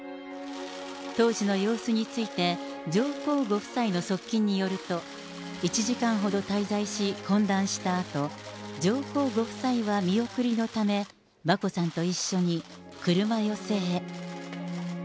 当時の様子について、上皇ご夫妻の側近によると、１時間ほど滞在し、懇談したあと、上皇ご夫妻は見送りのため、眞子さんと一緒に車寄せへ。